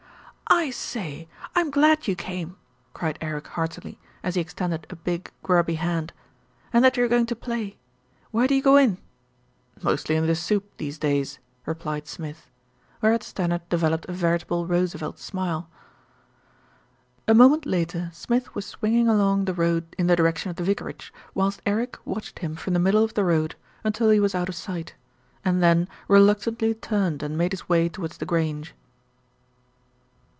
"I say, I'm glad you came," cried Eric heartily, as he extended a big, grubby hand, "and that you're going to play. Where do you go in?" "Mostly in the soup these days," replied Smith, whereat Stannard developed a veritable Roosevelt smile. A moment later, Smith was swinging along the road in the direction of the vicarage, whilst Eric watched him from the middle of the road until he was out of sight, and then reluctantly turned and made his way towards The Grange.